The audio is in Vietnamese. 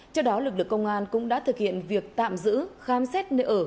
trước đó lực lượng công an cũng đã thực hiện việc tạm giữ khám xét nơi ở